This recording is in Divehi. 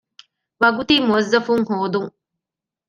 ވަގުތީ މުވައްޒަފުން ހޯދުން